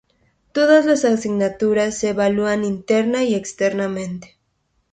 Todas las asignaturas se evalúan interna y externamente.